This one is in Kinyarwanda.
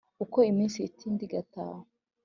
Uko iminsi ihita indi igataha